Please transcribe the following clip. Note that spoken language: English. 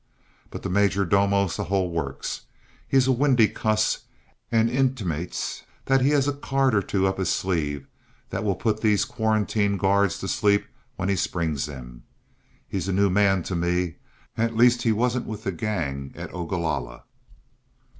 But the major domo's the whole works; he's a windy cuss, and intimates that he has a card or two up his sleeve that will put these quarantine guards to sleep when he springs them. He's a new man to me; at least he wasn't with the gang at Ogalalla."